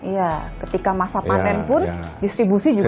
iya ketika masa panen pun distribusi juga